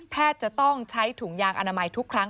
จะต้องใช้ถุงยางอนามัยทุกครั้ง